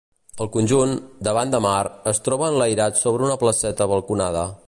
El conjunt, davant de mar, es troba enlairat sobre una placeta balconada.